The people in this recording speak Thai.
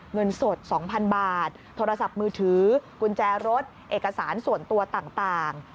เงินสด๒๐๐๐บาทโทรศัพท์มือถือกุญแจรถเอกสารส่วนตัวต่าง